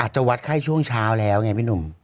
จะวัดไข้ช่วงเช้าแล้วไงพี่หนุ่ม